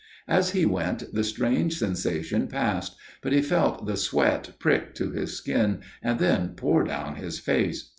As he went the strange sensation passed, but he felt the sweat prick to his skin and then pour down his face.